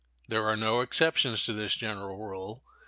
There are no exceptions to this general rule.